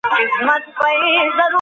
اسلام د پوهې په خپرولو ټينګار کوي.